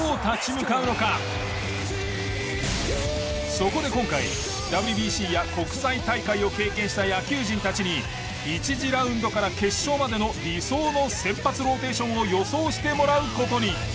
そこで今回ＷＢＣや国際大会を経験した野球人たちに１次ラウンドから決勝までの理想の先発ローテーションを予想してもらう事に。